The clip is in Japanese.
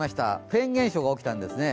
フェーン現象が起きたんですね。